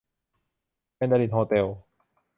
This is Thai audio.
แมนดารินโฮเต็ล